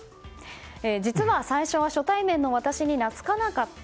実は最初は初対面の私に懐かなかった。